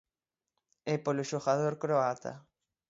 E polo xogador croata.